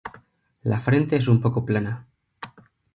La frente es un poco plana.